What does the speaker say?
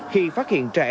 khi phát hiện trẻ